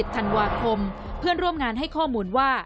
ธันวาคมเพื่อนร่วมงานให้ข้อมูลว่า